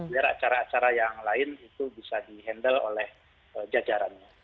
biar acara acara yang lain itu bisa di handle oleh jajarannya